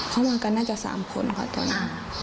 เขามากันน่าจะ๓คนค่ะตอนนี้